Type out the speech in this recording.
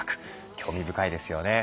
興味深いですよね。